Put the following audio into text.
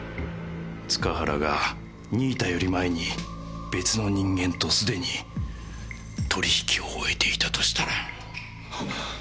塚原が新井田より前に別の人間と既に取引を終えていたとしたら。